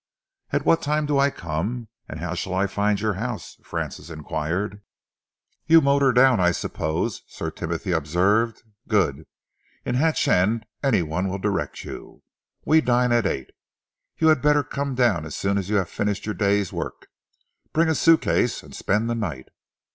"At what time do I come and how shall I find your house?" Francis enquired. "You motor down, I suppose?" Sir Timothy observed. "Good! In Hatch End any one will direct you. We dine at eight. You had better come down as soon as you have finished your day's work. Bring a suitcase and spend the night."